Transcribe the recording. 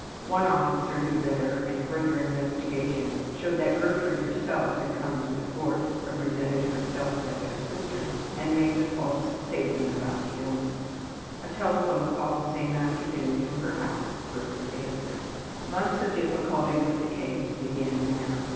One officer knew better and further investigation showed that Gertrude herself had come to the court, represented herself as her sister, and made the false statement about the illness. A telephone call the same afternoon to her house Gertrude answered. Months of difficulty with the case began now.